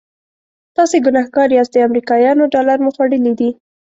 تاسې ګنهګار یاست د امریکایانو ډالر مو خوړلي دي.